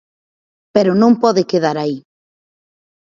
Pero non pode quedar aí.